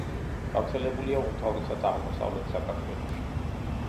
გავრცელებულია უმთავრესად აღმოსავლეთ საქართველოში.